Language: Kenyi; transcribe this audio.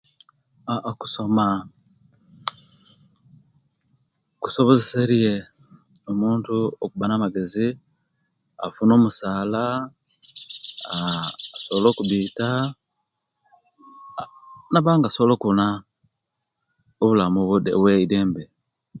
Okusoma kusobozesilya muntu okuba namagezi afuuna musaala asobola okubita nabanga asobola kubona obulamu obweidembe